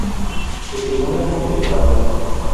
Escenógrafo, decorador.